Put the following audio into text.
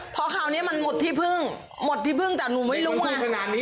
เพราะคราวนี้มันหมดที่พึ่งหมดที่พึ่งแต่หนูไม่รู้ไง